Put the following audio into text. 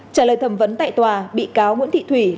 trả lời thẩm vấn tại tòa bị cáo nguyễn thị thủy